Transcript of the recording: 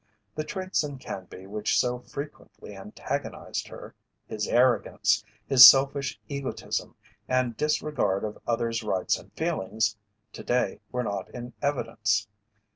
The traits in Canby which so frequently antagonized her, his arrogance, his selfish egotism and disregard of others' rights and feelings, to day were not in evidence.